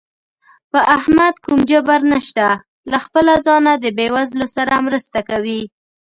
په احمد کوم جبر نشته، له خپله ځانه د بېوزلو سره مرسته کوي.